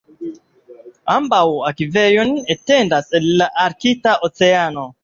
Ambaŭ akvejoj etendas el la Arkta Oceano.